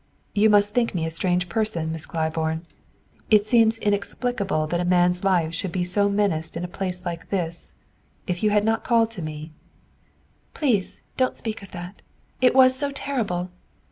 "You must think me a strange person, Miss Claiborne. It seems inexplicable that a man's life should be so menaced in a place like this. If you had not called to me " "Please don't speak of that! It was so terrible!"